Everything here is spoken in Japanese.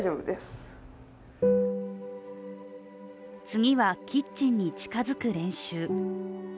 次はキッチンに近づく練習。